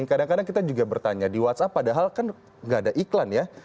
kadang kadang kita juga bertanya di whatsapp padahal kan nggak ada iklan ya